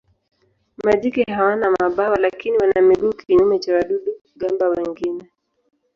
Majike hawana mabawa lakini wana miguu kinyume na wadudu-gamba wengine.